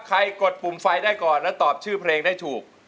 กดปุ่มไฟได้ก่อนและตอบชื่อเพลงได้ถูก